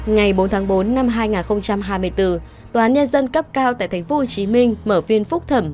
ngày bốn tháng bốn năm hai nghìn hai mươi bốn tòa án nhân dân cấp cao tại tp hcm mở phiên phúc thẩm vụ án nguyễn phương hằng